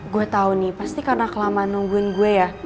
gue tau nih pasti karena kelamaan nungguin gue ya